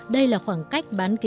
đây là khoảng cách bằng